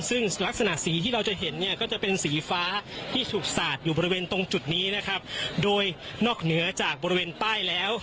ซึ่งลักษณะสีที่เราจะเห็นเนี่ยก็จะเป็นสีฟ้าที่ถูกสาดอยู่บริเวณตรงจุดนี้นะครับโดยนอกเหนือจากบริเวณใต้แล้ว